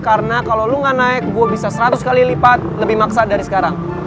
karena kalo lo ga naik gue bisa seratus kali lipat lebih maksa dari sekarang